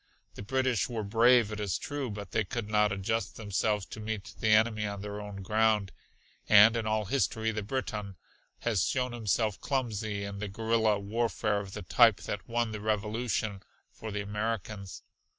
The British were brave it is true, but they could not adjust themselves to meet the enemy on their own ground, and in all history the Briton has shown himself clumsy in the guerilla warfare of the type that won the Revolution for the Americans.